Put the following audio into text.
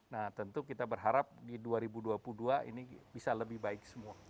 nah tentu kita berharap di dua ribu dua puluh dua ini bisa lebih baik semua